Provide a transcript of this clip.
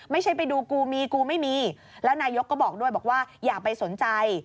ไปดูกูมีกูไม่มีแล้วนายกก็บอกด้วยบอกว่าอย่าไปสนใจ